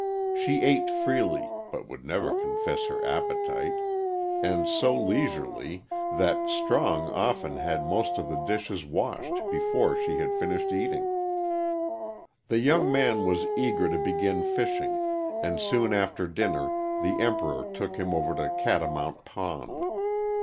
She ate freely but would never confess her appetite and so leisurely that Strong often had most of the dishes washed before she had finished eating. The young man was eager to begin fishing, and soon after dinner the Emperor took him over to Catamount Pond.